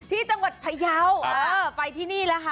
ที่จังหวัดพยาวไปที่นี่แล้วค่ะ